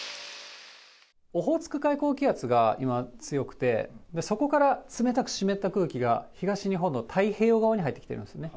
オホーツク海高気圧が今、強くて、そこから冷たく湿った空気が東日本の太平洋側に入ってきているんですね。